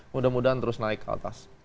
mudah mudahan terus naik ke atas